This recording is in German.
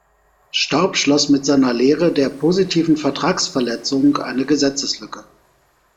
Staub schloss mit seiner Lehre der positiven Vertragsverletzung eine Gesetzeslücke.